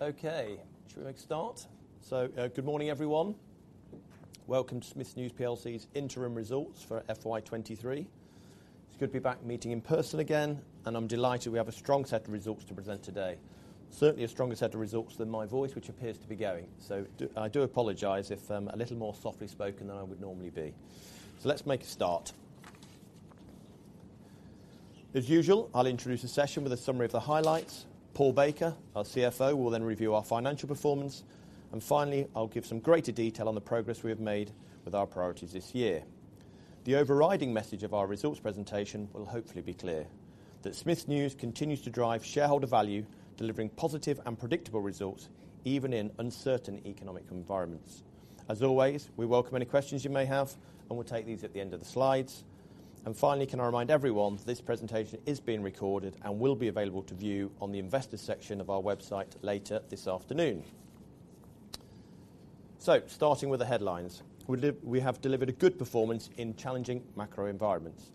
Okay. Should we make a start? Good morning, everyone. Welcome to Smiths News plc's Interim Results for FY 2023. It's good to be back meeting in person again, and I'm delighted we have a strong set of results to present today. Certainly a stronger set of results than my voice, which appears to be going. I do apologize if I'm a little more softly spoken than I would normally be. Let's make a start. As usual, I'll introduce a session with a summary of the highlights. Paul Baker, our CFO, will then review our financial performance. Finally, I'll give some greater detail on the progress we have made with our priorities this year. The overriding message of our results presentation will hopefully be clear, that Smiths News continues to drive shareholder value, delivering positive and predictable results, even in uncertain economic environments. As always, we welcome any questions you may have, and we'll take these at the end of the slides. Finally, can I remind everyone this presentation is being recorded and will be available to view on the investors section of our website later this afternoon. Starting with the headlines. We have delivered a good performance in challenging macro environments.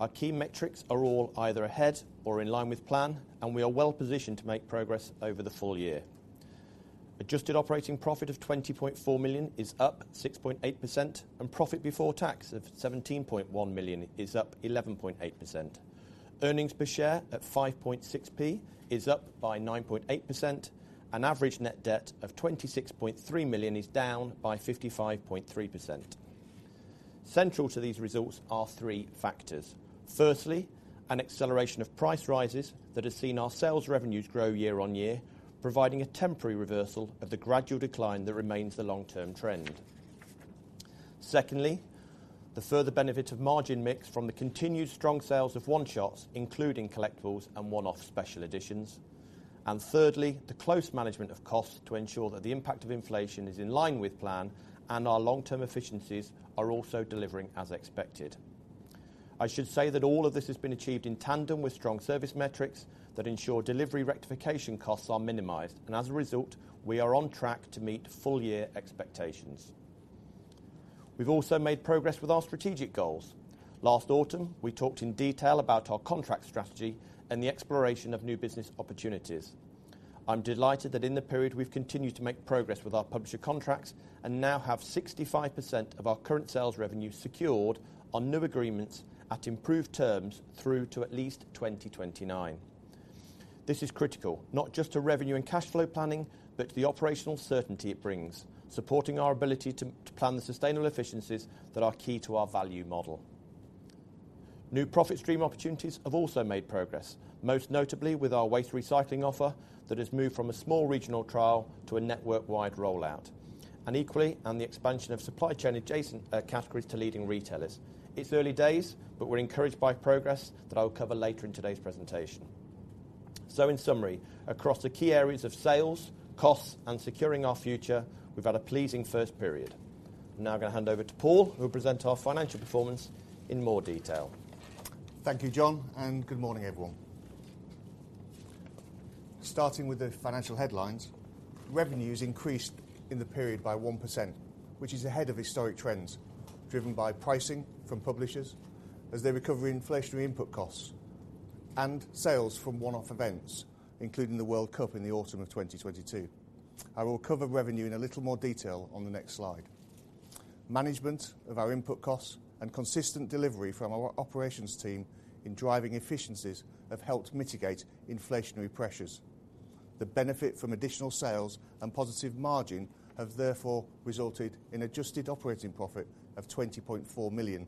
Our key metrics are all either ahead or in line with plan, and we are well positioned to make progress over the full year. Adjusted operating profit of 20.4 million is up 6.8%, and profit before tax of 17.1 million is up 11.8%. Earnings per share at 0.056 is up by 9.8%, and average net debt of 26.3 million is down by 55.3%. Central to these results are three factors. Firstly, an acceleration of price rises that has seen our sales revenues grow year-on-year, providing a temporary reversal of the gradual decline that remains the long-term trend. Secondly, the further benefit of margin mix from the continued strong sales of one-shots, including collectibles and one-off special editions. Thirdly, the close management of costs to ensure that the impact of inflation is in line with plan and our long-term efficiencies are also delivering as expected. I should say that all of this has been achieved in tandem with strong service metrics that ensure delivery rectification costs are minimized. As a result, we are on track to meet full-year expectations. We've also made progress with our strategic goals. Last autumn, we talked in detail about our contract strategy and the exploration of new business opportunities. I'm delighted that in the period we've continued to make progress with our publisher contracts and now have 65% of our current sales revenue secured on new agreements at improved terms through to at least 2029. This is critical, not just to revenue and cash flow planning, but to the operational certainty it brings, supporting our ability to plan the sustainable efficiencies that are key to our value model. New profit stream opportunities have also made progress, most notably with our waste recycling offer that has moved from a small regional trial to a network-wide rollout, and equally on the expansion of supply chain adjacent categories to leading retailers. It's early days, but we're encouraged by progress that I will cover later in today's presentation. In summary, across the key areas of sales, costs, and securing our future, we've had a pleasing first period. Now I'm gonna hand over to Paul, who will present our financial performance in more detail. Thank you, Jon, good morning, everyone. Starting with the financial headlines, revenues increased in the period by 1%, which is ahead of historic trends, driven by pricing from publishers as they recover inflationary input costs and sales from one-off events, including the World Cup in the autumn of 2022. I will cover revenue in a little more detail on the next slide. Management of our input costs and consistent delivery from our operations team in driving efficiencies have helped mitigate inflationary pressures. The benefit from additional sales and positive margin have therefore resulted in adjusted operating profit of 20.4 million,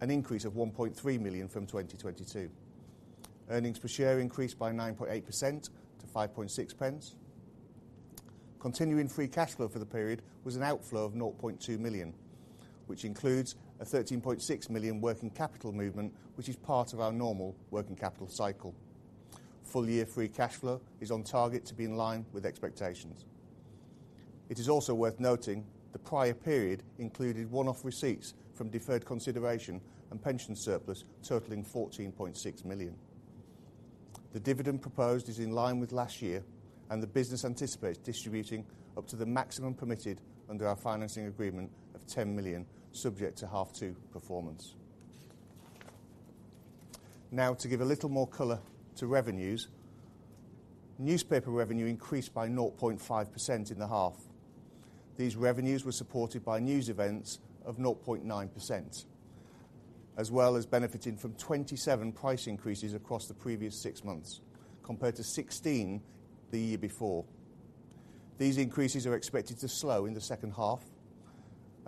an increase of 1.3 million from 2022. Earnings per share increased by 9.8% to 0. 056. Continuing free cash flow for the period was an outflow of 0.2 million, which includes a 13.6 million working capital movement, which is part of our normal working capital cycle. Full-year free cash flow is on target to be in line with expectations. It is also worth noting the prior period included one-off receipts from deferred consideration and pension surplus totaling 14.6 million. The dividend proposed is in line with last year, and the business anticipates distributing up to the maximum permitted under our financing agreement of 10 million, subject to half two performance. To give a little more color to revenues. Newspaper revenue increased by 0.5% in the half. These revenues were supported by news events of 0.9%, as well as benefiting from 27 price increases across the previous six months, compared to 16 the year before. These increases are expected to slow in the second half,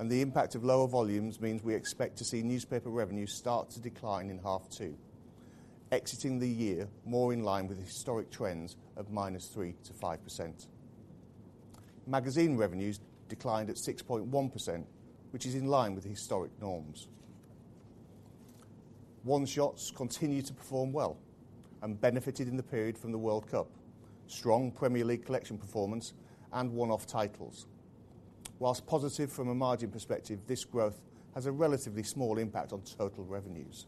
the impact of lower volumes means we expect to see newspaper revenues start to decline in half two, exiting the year more in line with historic trends of -3% to 5%. Magazine revenues declined at 6.1%, which is in line with historic norms. One-shots continued to perform well and benefited in the period from the World Cup, strong Premier League collection performance, and one-off titles. Whilst positive from a margin perspective, this growth has a relatively small impact on total revenues.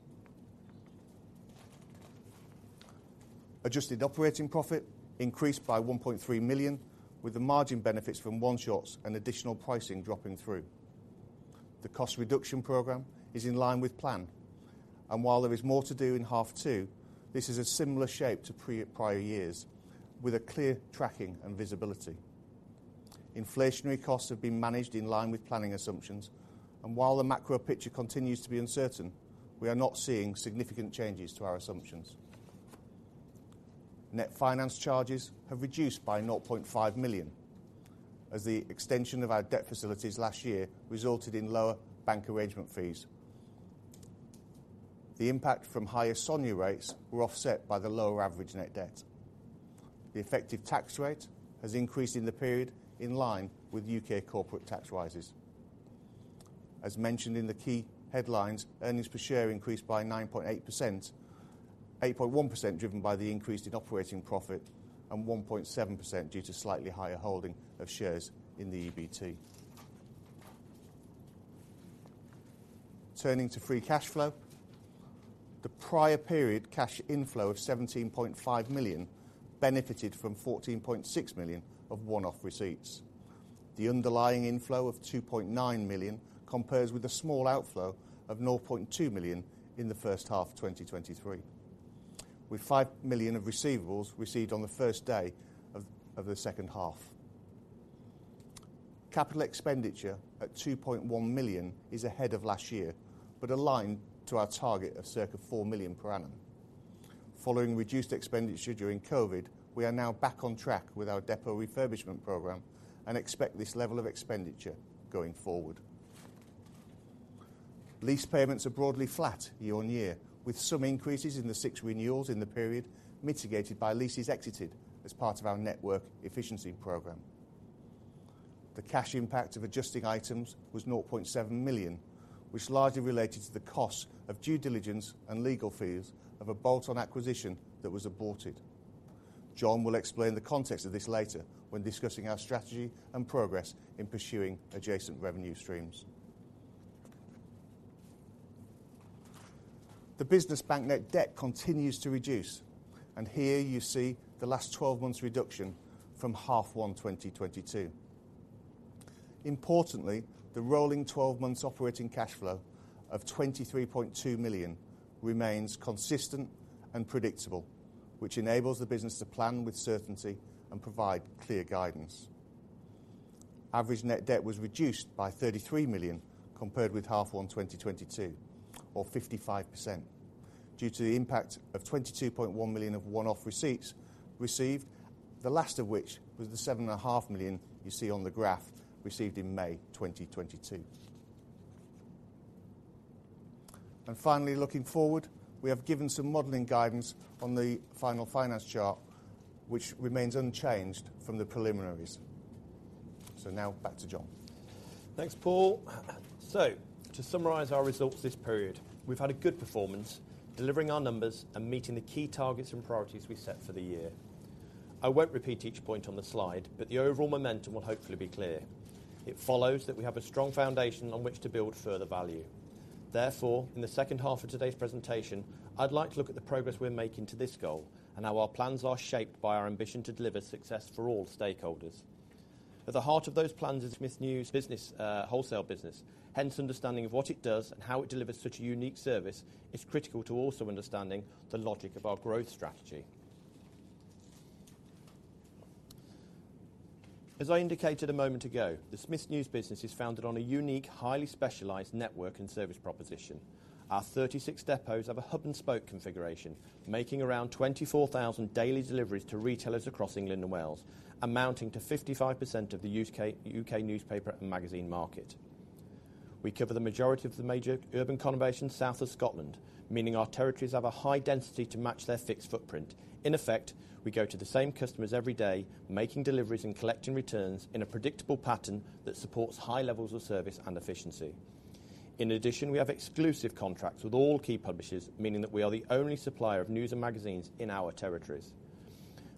Adjusted operating profit increased by 1.3 million, with the margin benefits from one-shots and additional pricing dropping through. While there is more to do in H2, this is a similar shape to prior years, with a clear tracking and visibility. While the macro picture continues to be uncertain, we are not seeing significant changes to our assumptions. Net finance charges have reduced by 0.5 million, as the extension of our debt facilities last year resulted in lower bank arrangement fees. The impact from higher SONIA rates were offset by the lower average net debt. The effective tax rate has increased in the period in line with UK corporate tax rises. As mentioned in the key headlines, earnings per share increased by 9.8%, 8.1% driven by the increase in operating profit, and 1.7% due to slightly higher holding of shares in the EBT. Turning to free cash flow. The prior period cash inflow of 17.5 million benefited from 14.6 million of one-off receipts. The underlying inflow of 2.9 million compares with a small outflow of 0.2 million in the first half of 2023, with 5 million of receivables received on the first day of the second half. Capital expenditure at 2.1 million is ahead of last year, but aligned to our target of circa 4 million per annum. Following reduced expenditure during COVID, we are now back on track with our depot refurbishment program and expect this level of expenditure going forward. Lease payments are broadly flat year-on-year, with some increases in the six renewals in the period mitigated by leases exited as part of our network efficiency program. The cash impact of adjusting items was 0.7 million, which largely related to the cost of due diligence and legal fees of a bolt-on acquisition that was aborted. Jon will explain the context of this later when discussing our strategy and progress in pursuing adjacent revenue streams. The business bank net debt continues to reduce, here you see the last 12 months' reduction from H1 2022. Importantly, the rolling 12 months operating cash flow of 23.2 million remains consistent and predictable, which enables the business to plan with certainty and provide clear guidance. Average net debt was reduced by 33 million compared with H1 2022, or 55%, due to the impact of 22.1 million of one-off receipts received, the last of which was the seven and a half million you see on the graph received in May 2022. Finally, looking forward, we have given some modeling guidance on the final finance chart, which remains unchanged from the preliminaries. Now back to Jon. To summarize our results this period, we've had a good performance delivering our numbers and meeting the key targets and priorities we set for the year. I won't repeat each point on the slide. The overall momentum will hopefully be clear. It follows that we have a strong foundation on which to build further value. Therefore, in the second half of today's presentation, I'd like to look at the progress we're making to this goal and how our plans are shaped by our ambition to deliver success for all stakeholders. At the heart of those plans is Smiths News business, wholesale business, hence understanding of what it does and how it delivers such a unique service is critical to also understanding the logic of our growth strategy. As I indicated a moment ago, the Smiths News business is founded on a unique, highly specialized network and service proposition. Our 36 depots have a hub-and-spoke configuration, making around 24,000 daily deliveries to retailers across England and Wales, amounting to 55% of the U.K. newspaper and magazine market. We cover the majority of the major urban conurbations south of Scotland, meaning our territories have a high density to match their fixed footprint. In effect, we go to the same customers every day, making deliveries and collecting returns in a predictable pattern that supports high levels of service and efficiency. In addition, we have exclusive contracts with all key publishers, meaning that we are the only supplier of news and magazines in our territories.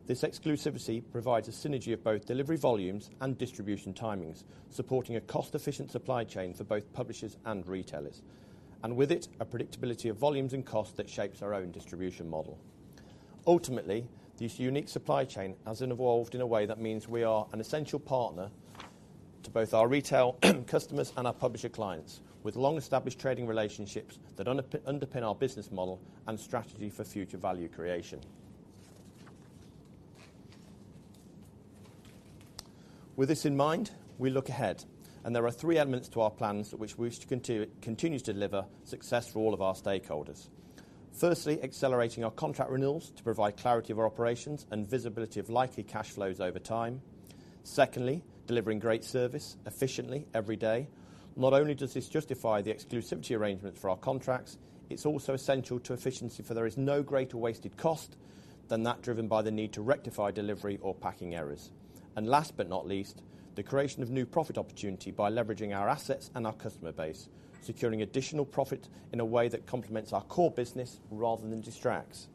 This exclusivity provides a synergy of both delivery volumes and distribution timings, supporting a cost-efficient supply chain for both publishers and retailers, and with it, a predictability of volumes and costs that shapes our own distribution model. Ultimately, this unique supply chain has evolved in a way that means we are an essential partner to both our retail customers and our publisher clients, with long-established trading relationships that underpin our business model and strategy for future value creation. With this in mind, we look ahead, and there are three elements to our plans which we wish to continue to deliver success for all of our stakeholders. Firstly, accelerating our contract renewals to provide clarity of our operations and visibility of likely cash flows over time. Secondly, delivering great service efficiently every day. Not only does this justify the exclusivity arrangements for our contracts, it's also essential to efficiency, for there is no greater wasted cost than that driven by the need to rectify delivery or packing errors. Last but not least, the creation of new profit opportunity by leveraging our assets and our customer base, securing additional profit in a way that complements our core business rather than distracts.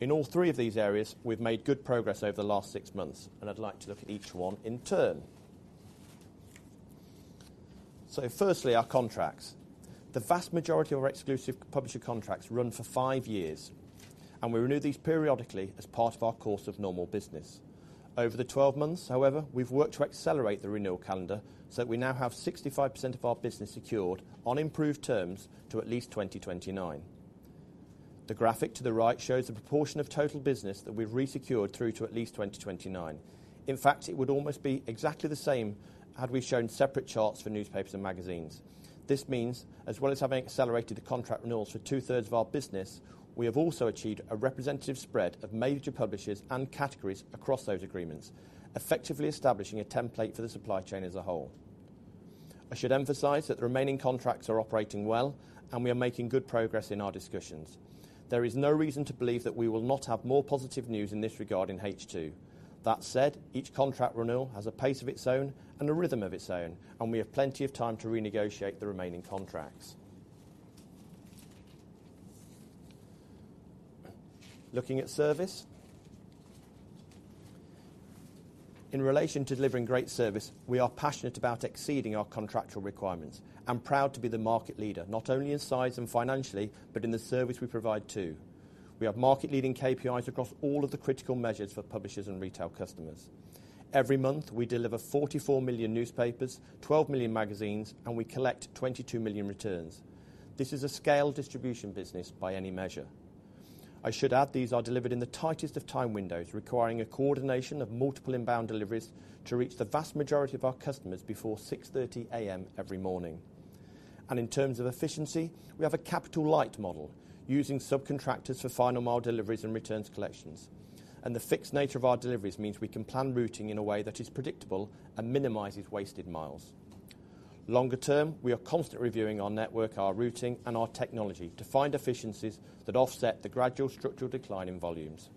In all three of these areas, we've made good progress over the last 6 months, and I'd like to look at each one in turn. Firstly, our contracts. The vast majority of our exclusive publisher contracts run for five years, and we renew these periodically as part of our course of normal business. Over the 12 months, however, we've worked to accelerate the renewal calendar, so we now have 65% of our business secured on improved terms to at least 2029. The graphic to the right shows the proportion of total business that we've resecured through to at least 2029. In fact, it would almost be exactly the same had we shown separate charts for newspapers and magazines. This means, as well as having accelerated the contract renewals for 2/3 of our business, we have also achieved a representative spread of major publishers and categories across those agreements, effectively establishing a template for the supply chain as a whole. I should emphasize that the remaining contracts are operating well, and we are making good progress in our discussions. There is no reason to believe that we will not have more positive news in this regard in H2. That said, each contract renewal has a pace of its own and a rhythm of its own, and we have plenty of time to renegotiate the remaining contracts. Looking at service. In relation to delivering great service, we are passionate about exceeding our contractual requirements and proud to be the market leader, not only in size and financially, but in the service we provide too. We have market-leading KPIs across all of the critical measures for publishers and retail customers. Every month, we deliver 44 million newspapers, 12 million magazines, and we collect 22 million returns. This is a scale distribution business by any measure. I should add these are delivered in the tightest of time windows, requiring a coordination of multiple inbound deliveries to reach the vast majority of our customers before 6:30 A.M. every morning. In terms of efficiency, we have a capital light model using subcontractors for final mile deliveries and returns collections. The fixed nature of our deliveries means we can plan routing in a way that is predictable and minimizes wasted miles. Longer term, we are constantly reviewing our network, our routing, and our technology to find efficiencies that offset the gradual structural decline in volumes.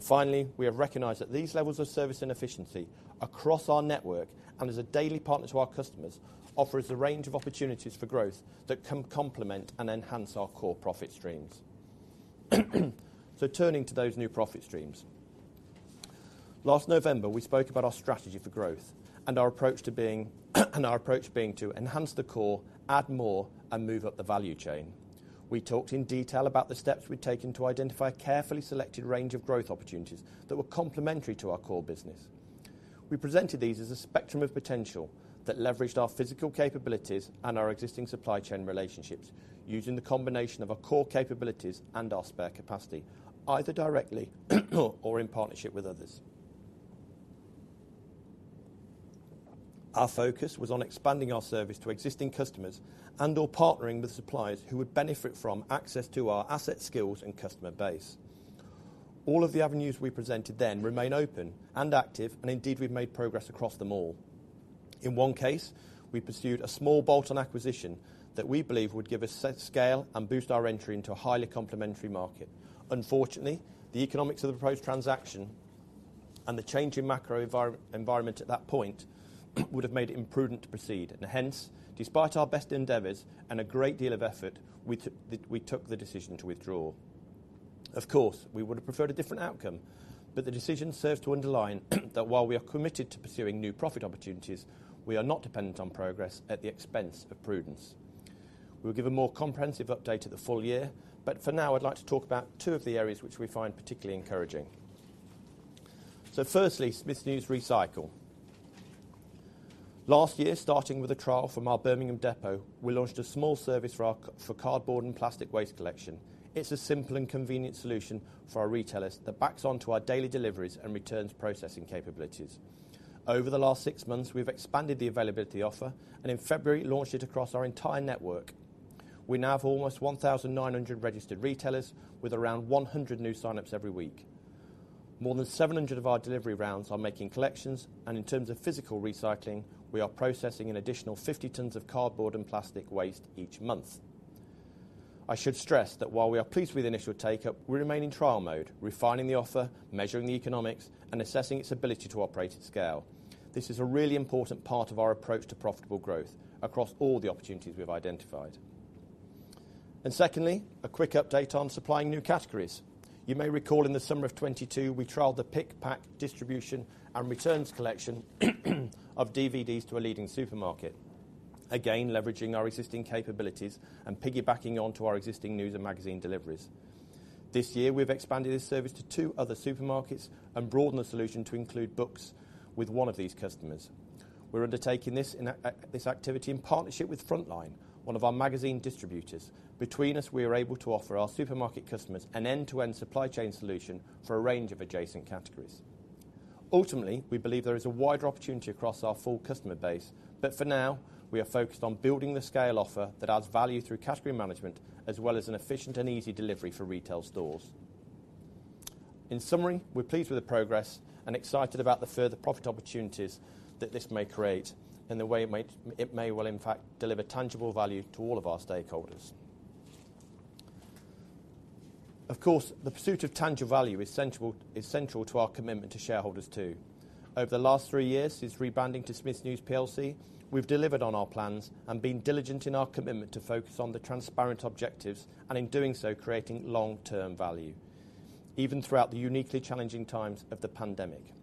Finally, we have recognized that these levels of service and efficiency across our network and as a daily partner to our customers, offers a range of opportunities for growth that can complement and enhance our core profit streams. Turning to those new profit streams. Last November, we spoke about our strategy for growth and our approach being to enhance the core, add more, and move up the value chain. We talked in detail about the steps we've taken to identify a carefully selected range of growth opportunities that were complementary to our core business. We presented these as a spectrum of potential that leveraged our physical capabilities and our existing supply chain relationships using the combination of our core capabilities and our spare capacity, either directly or in partnership with others. Our focus was on expanding our service to existing customers and/or partnering with suppliers who would benefit from access to our asset skills and customer base. All of the avenues we presented then remain open and active, and indeed, we've made progress across them all. In one case, we pursued a small bolt-on acquisition that we believe would give us set scale and boost our entry into a highly complementary market. Unfortunately, the economics of the proposed transaction and the change in macro environment at that point would have made it imprudent to proceed. Hence, despite our best endeavors and a great deal of effort, we took the decision to withdraw. We would have preferred a different outcome, but the decision serves to underline that while we are committed to pursuing new profit opportunities, we are not dependent on progress at the expense of prudence. We'll give a more comprehensive update at the full year, but for now, I'd like to talk about two of the areas which we find particularly encouraging. Firstly, Smiths News Recycle. Last year, starting with a trial from our Birmingham depot, we launched a small service for cardboard and plastic waste collection. It's a simple and convenient solution for our retailers that backs on to our daily deliveries and returns processing capabilities. Over the last six months, we've expanded the availability offer, and in February, launched it across our entire network. We now have almost 1,900 registered retailers with around 100 new signups every week. More than 700 of our delivery rounds are making collections, and in terms of physical recycling, we are processing an additional 50 tons of cardboard and plastic waste each month. I should stress that while we are pleased with initial take-up, we remain in trial mode, refining the offer, measuring the economics, and assessing its ability to operate at scale. This is a really important part of our approach to profitable growth across all the opportunities we've identified. Secondly, a quick update on supplying new categories. You may recall in the summer of 2022, we trialed the pick, pack, distribution, and returns collection of DVDs to a leading supermarket. Again, leveraging our existing capabilities and piggybacking on to our existing news and magazine deliveries. This year, we've expanded this service to two other supermarkets and broadened the solution to include books with one of these customers. We're undertaking this in this activity in partnership with Frontline, one of our magazine distributors. Between us, we are able to offer our supermarket customers an end-to-end supply chain solution for a range of adjacent categories. Ultimately, we believe there is a wider opportunity across our full customer base, but for now, we are focused on building the scale offer that adds value through category management as well as an efficient and easy delivery for retail stores. In summary, we're pleased with the progress and excited about the further profit opportunities that this may create and the way it may well, in fact, deliver tangible value to all of our stakeholders. Of course, the pursuit of tangible value is central to our commitment to shareholders too. Over the last three years, since rebranding to Smiths News plc, we've delivered on our plans and been diligent in our commitment to focus on the transparent objectives, and in doing so, creating long-term value, even throughout the uniquely challenging times of the pandemic.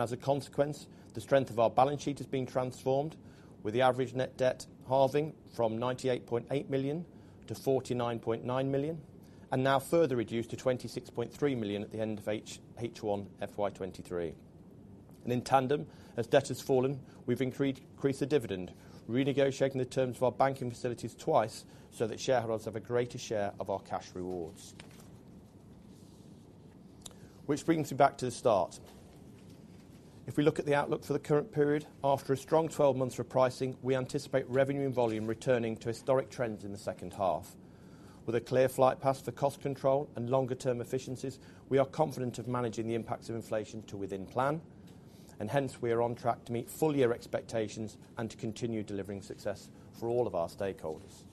As a consequence, the strength of our balance sheet has been transformed with the average net debt halving from 98.8 million to 49.9 million, and now further reduced to 26.3 million at the end of H1 FY 2023. In tandem, as debt has fallen, we've increased the dividend, renegotiating the terms of our banking facilities twice so that shareholders have a greater share of our cash rewards. Which brings me back to the start. If we look at the outlook for the current period, after a strong 12 months repricing, we anticipate revenue and volume returning to historic trends in the second half. With a clear flight path for cost control and longer term efficiencies, we are confident of managing the impacts of inflation to within plan, and hence we are on track to meet full year expectations and to continue delivering success for all of our stakeholders.